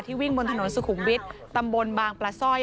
วิ่งบนถนนสุขุมวิทย์ตำบลบางปลาสร้อย